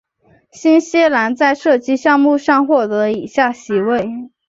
新西兰在射击项目上获得以下席位。